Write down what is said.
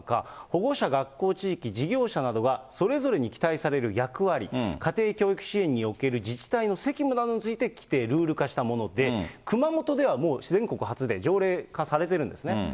保護者、学校、地域、事業者などがそれぞれに期待される役割、家庭教育支援における自治体の責務などについて規定、ルール化したもので、熊本ではもう全国初で条例化されてるんですね。